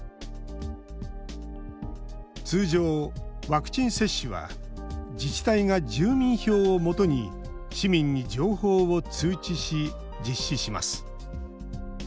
通常、ワクチン接種は自治体が住民票をもとに市民を情報を通知し実施します。